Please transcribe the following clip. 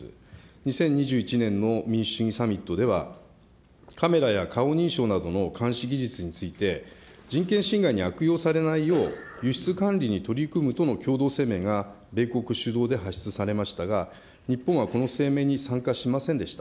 ２０２１年の民主主義サミットでは、カメラや顔認証などの監視技術について、人権侵害に悪用されないよう輸出管理に取り組むとの共同声明が米国主導で発出されましたが、日本はこの声明に参加しませんでした。